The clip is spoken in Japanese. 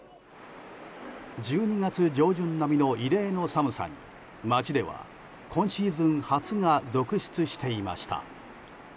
１２月上旬並みの異例の寒さに街では今シーズン初が続出していました。